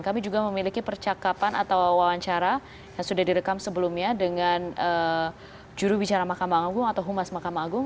kami juga memiliki percakapan atau wawancara yang sudah direkam sebelumnya dengan juru bicara mahkamah agung atau humas mahkamah agung